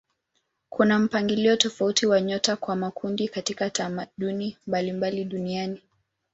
Kuna mpangilio tofauti wa nyota kwa makundi katika tamaduni mbalimbali duniani.